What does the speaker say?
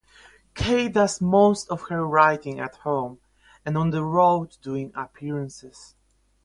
Caine does most of her writing at home and on the road during appearances.